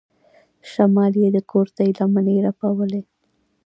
شمال يې د کورتۍ لمنې رپولې.